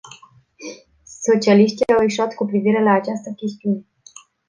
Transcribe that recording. Socialiștii au eșuat cu privire la această chestiune.